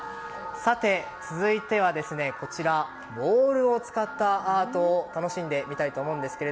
さて、続いてはボールを使ったアートを楽しんでみたいと思うんですが